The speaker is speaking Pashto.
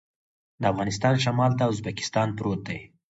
د افغانستان شمال ته ازبکستان پروت دی